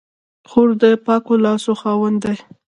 خور د پاکو لاسو خاوندې ده.